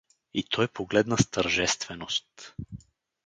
И той погледна с тържественост.